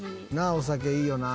お酒いいよな」